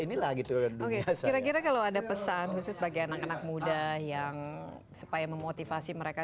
inilah gitu kan oke kira kira kalau ada pesan khusus bagi anak anak muda yang supaya memotivasi mereka